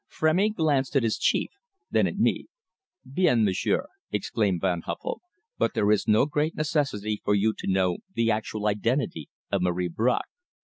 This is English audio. Frémy glanced at his chief, then at me. "Bien, m'sieur," exclaimed Van Huffel. "But there is no great necessity for you to know the actual identity of Marie Bracq.